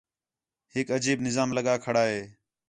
ہِک عجیب نظام لڳا کھڑا ہے